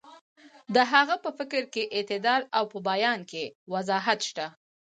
د هغه په فکر کې اعتدال او په بیان کې وضاحت شته.